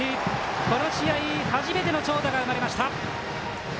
この試合初めての長打が生まれました。